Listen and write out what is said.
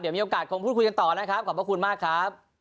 เดี๋ยวมีโอกาสคุยกันต่อนะครับขอบคุณมากครับ